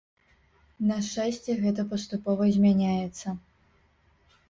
На шчасце, гэта паступова змяняецца.